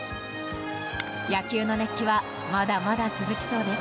野球の熱気はまだまだ続きそうです。